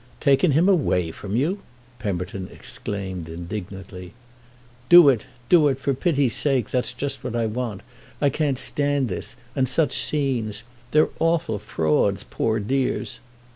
"Taken him away from you?" Pemberton exclaimed indignantly. "Do it—do it for pity's sake; that's just what I want. I can't stand this—and such scenes. They're awful frauds—poor dears!"